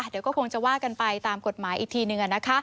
เดี๋ยวก็คงจะว่ากันไปตามกฎหมายอีกทีหนึ่ง